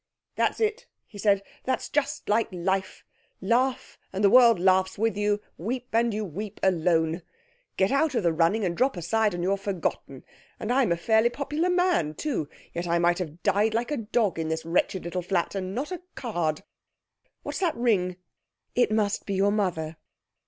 'That's it,' he said. 'That's just like life; "laugh, and the world laughs with you; weep, and you weep alone!" Get out of the running, and drop aside, and you're forgotten. And I'm a fairly popular man, too; yet I might have died like a dog in this wretched little flat, and not a card. What's that ring?' 'It must be your mother.'